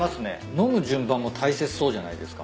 飲む順番も大切そうじゃないですか？